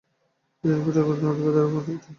পেছনে পড়ে আছে নদীর ধারে গড়ে-ওঠা চমৎকার একটি শহর।